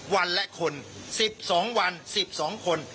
วันละคน๑๒วัน๑๒คน